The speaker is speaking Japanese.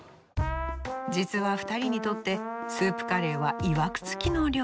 実は２人にとってスープカレーはいわくつきの料理。